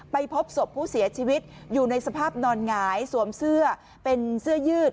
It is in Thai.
พบศพผู้เสียชีวิตอยู่ในสภาพนอนหงายสวมเสื้อเป็นเสื้อยืด